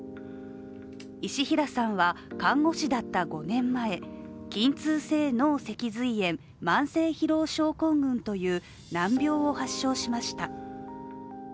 石平さんは看護師だった５年前、筋痛性脳脊髄炎慢性疲労症候群という難病を発症しました。